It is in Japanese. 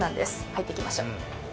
入っていきましょう。